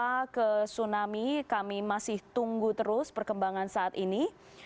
kita ke tsunami kami masih tunggu terus perkembangan saat ini